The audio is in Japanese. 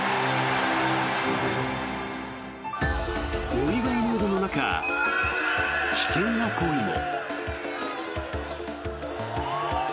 お祝いムードの中危険な行為も。